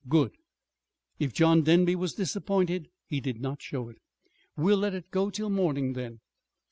"Good!" If John Denby was disappointed, he did not show it. "We'll let it go till morning, then.